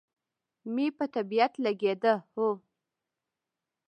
مې په طبیعت لګېده، هو.